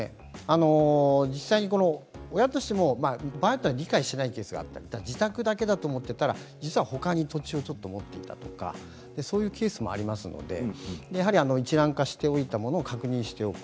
実際に親としても理解していないケースがあって自宅だけだと思っていたらほかに土地をちょっと持っていたとかそういうケースもありますので一覧化しておいたものを確認しておく。